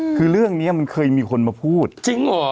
คือเรื่องนี้มันเคยมีคนมาพูดจริงเหรอ